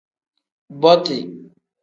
Boti.